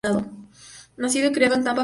Nacido y criado en Tampa, Florida.